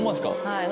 はい。